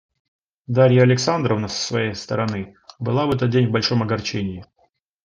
Дарья Александровна с своей стороны была в этот день в большом огорчении.